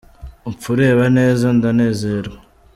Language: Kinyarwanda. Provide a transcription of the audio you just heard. Umfureba neza ndanezerwa